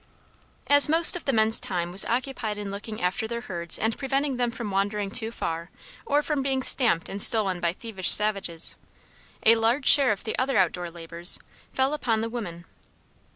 As most of the men's time was occupied in looking after their herds and preventing them from wandering too far or from being stamped and stolen by thievish savages, a large share of the other out door labors fell upon the women.